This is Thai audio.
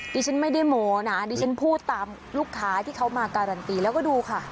ดิฉันไม่ได้โมนะดิฉันพูดตามลูกค้าที่เขามาการันตีแล้วก็ดูค่ะ